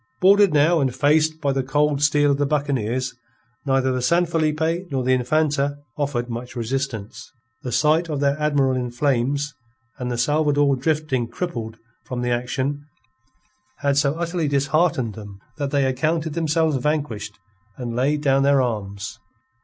Boarded now and faced by the cold steel of the buccaneers, neither the San Felipe nor the Infanta offered much resistance. The sight of their admiral in flames, and the Salvador drifting crippled from the action, had so utterly disheartened them that they accounted themselves vanquished, and laid down their arms.